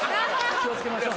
気を付けましょう。